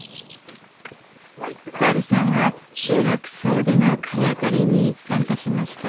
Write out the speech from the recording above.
カールさんは集落総出の萱刈りに参加しました。